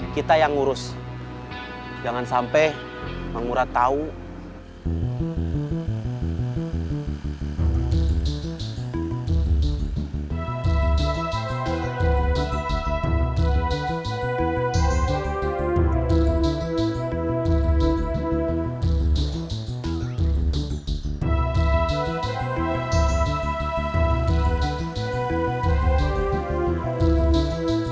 kayn rupanya mau jatuh